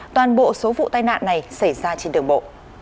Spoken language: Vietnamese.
toàn bộ số vụ tai nạn này xảy ra trên đường bộ